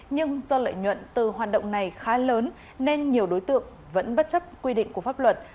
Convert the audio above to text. nhưng do lợi nhuận từ hoạt động này khá lớn nên nhiều đối tượng vẫn bất chấp quy định của pháp luật